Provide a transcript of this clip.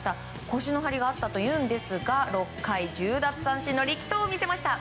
腰の張りがあったというんですが６回１０奪三振の力投を見せました。